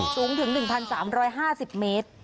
สูงถึง๑๓๕๐เมตร